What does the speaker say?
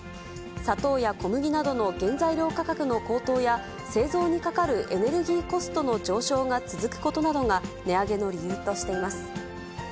砂糖や小麦などの原材料価格の高騰や、製造にかかるエネルギーコストの上昇が続くことなどが、値上げの理由としています。